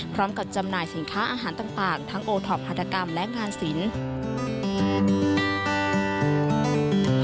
จำหน่ายสินค้าอาหารต่างทั้งโอท็อปฮาตกรรมและงานศิลป์